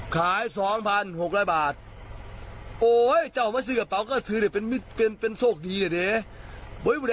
ขาย๒๖๐๐บาทโอ้เว้ยไม่ซื่อกระเป๋าก็ซื้อได้เป็นโชคดีละเยะ